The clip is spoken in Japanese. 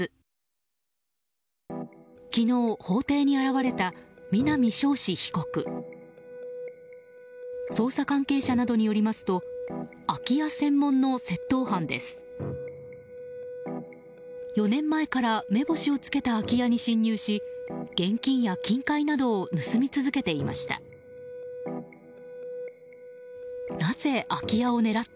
４年前から目星をつけた空き家に侵入し現金や金塊などを盗み続けていました。